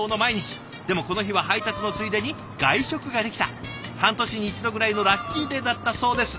でもこの日は配達のついでに外食ができた半年に一度ぐらいのラッキーデーだったそうです。